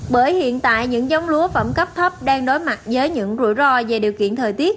bởi hiện tại những giống lúa phẩm cấp thấp đang đối mặt với những rủi ro về điều kiện thời tiết